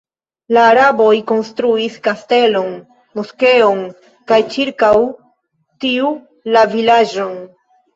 La araboj konstruis kastelon, moskeon kaj ĉirkaŭ tiu la vilaĝon.